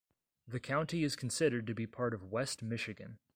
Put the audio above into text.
The county is considered to be part of West Michigan.